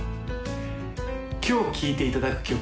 今日聴いていただく曲